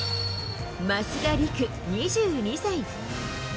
増田陸２２歳。